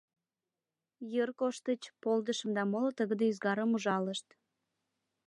Йыр коштыч, полдышым да моло тыгыде ӱзгарым ужалышт.